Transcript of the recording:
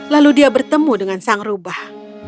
lalu dia bertemu dengan sang rubah